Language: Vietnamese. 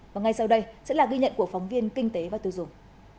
và ngay sau đây sẽ là ghi nhận của phóng viên kinh tế và tiêu dùng